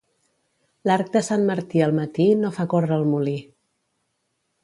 L'arc de sant Martí al matí no fa córrer el molí.